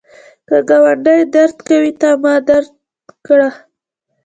که ګاونډی درد کوي، تا مه درد کړه